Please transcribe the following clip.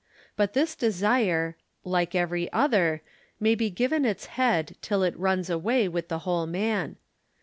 But this desire, like every other, may be given its head till it runs away with the whole man.